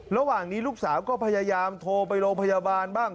ระหว่างนี้ลูกสาวก็พยายามโทรไปโรงพยาบาลบ้าง